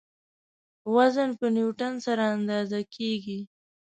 وزن په نیوټن سره اندازه کیږي.